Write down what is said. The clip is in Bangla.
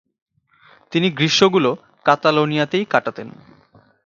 তিনি গ্রীষ্মগুলো কাতালোনিয়াতেই কাটাতেন।